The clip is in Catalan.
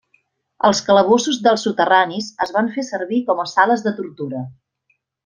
Els calabossos dels soterranis es van fer servir com a sales de tortura.